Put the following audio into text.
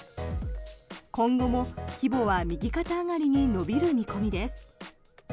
今後も規模は右肩上がりに伸びる見込みです。